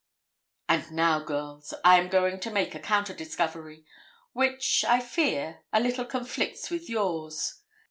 'And now, girls, I am going to make a counter discovery, which, I fear, a little conflicts with yours.